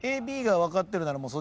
ＡＢが分かってるなら